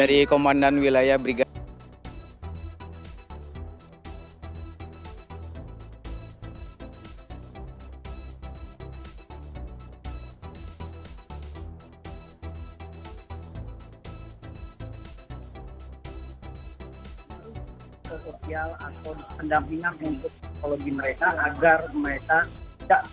dari komandan wilayah brigad